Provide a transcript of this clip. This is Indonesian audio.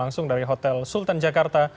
langsung dari hotel sultan jakarta